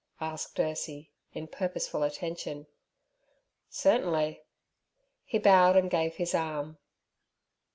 asked Ursie, in purposeful attention. 'Certainly.' He bowed and gave his arm.